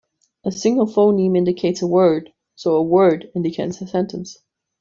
A single phoneme indicates a word, so a "word" indicates a sentence.